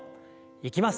いきます。